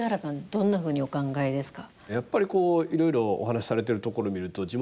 どんなふうにお考えですか？